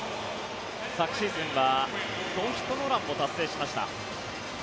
昨シーズンはノーヒット・ノーランも達成しました。